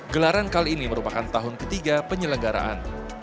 gelaran kali ini merupakan tahun ketiga penyelenggaraan